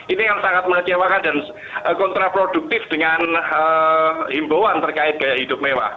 ini yang sangat mengecewakan dan kontraproduktif dengan himbauan terkait gaya hidup mewah